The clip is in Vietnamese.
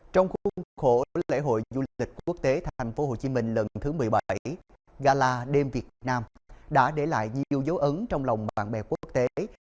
trong khuôn khổ lễ hội du lịch quốc tế thành phố hồ chí minh lần thứ một mươi bảy gala đêm việt nam đã để lại nhiều dấu ấn trong lòng bạn bè quốc tế